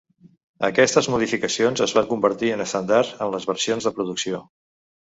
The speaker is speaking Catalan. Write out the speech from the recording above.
Aquestes modificacions es va convertir en estàndard en les versions de producció.